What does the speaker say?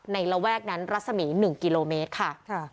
ระแวกนั้นรัศมี๑กิโลเมตรค่ะ